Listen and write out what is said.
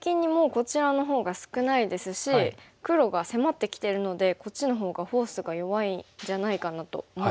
こちらのほうが少ないですし黒が迫ってきてるのでこっちのほうがフォースが弱いんじゃないかなと思います。